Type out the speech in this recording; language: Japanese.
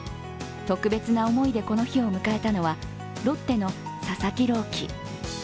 特別な思いでこの日を迎えたのはロッテの佐々木朗希。